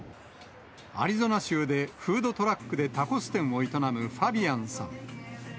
アリゾナ州でフードトラックでタコス店を営むファビアンさん。